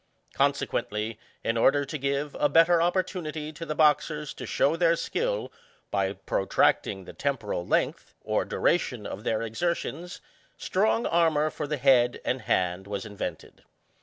Consequently, in order to give a better opportunity to the boxers to show their skill, by protracting the temporal length, or duration of their exertions, strong armour for the head and hand was invented.